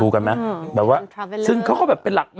กันไหมแบบว่าซึ่งเขาก็แบบเป็นหลัก